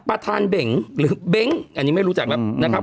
ประธานเบ่งหรือเบ้งอันนี้ไม่รู้จักแล้วนะครับ